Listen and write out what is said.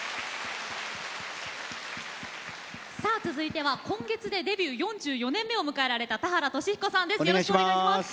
続いては今月でデビュー４４年目を迎えられた田原俊彦さんです。